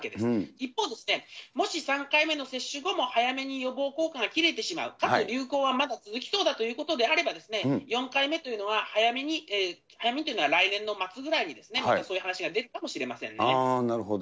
一方、もし３回目の接種後も早めに予防効果が切れてしまう、かつ流行はまだ続きそうだということであれば、４回目というのは、早めに、早めにというのは来年の末ぐらいにですね、またそういう話が出るなるほど。